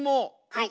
はい。